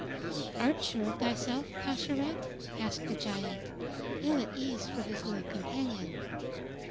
"Art sure of thyself, Pascherette?" asked the giant, ill at ease for his little companion.